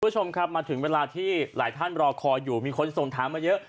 คุณผู้ชมครับมาถึงเวลาที่หลายท่านรอคอยอยู่มีคนส่งถามมาเยอะ